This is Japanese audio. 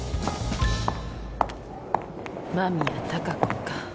間宮貴子か。